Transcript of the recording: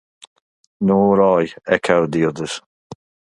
"Nor I," echoed the others.